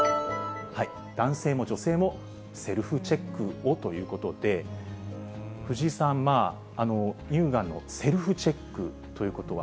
男性も女性も、セルフチェックを！ということで、藤井さん、乳がんのセルフチェックということは。